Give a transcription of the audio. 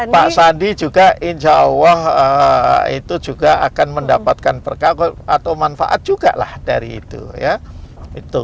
pak sandi juga insya allah itu juga akan mendapatkan berkah atau manfaat juga lah dari itu ya